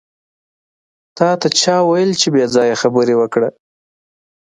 تاته چا وېل چې پې ځایه خبرې وکړه.